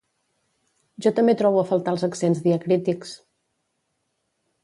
Jo també trobo a faltar els accents diacrítics